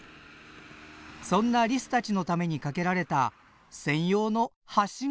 そんなリスたちのために架けられた専用の橋があります。